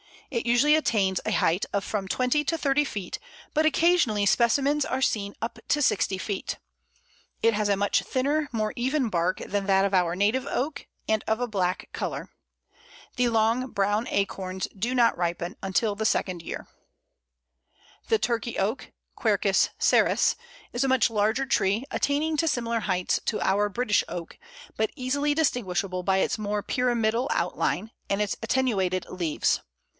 It usually attains a height of from twenty to thirty feet, but occasionally specimens are seen up to sixty feet. It has a much thinner, more even bark than that of our native Oak, and of a black colour. The long brown acorns do not ripen until the second year. [Illustration: Pl. 6. Holm Oak.] [Illustration: Pl. 7. Acorns of Turkey Oak.] The Turkey Oak (Quercus cerris) is a much larger tree, attaining to similar heights to our British Oak, but easily distinguishable by its more pyramidal outline, and its attenuated leaves.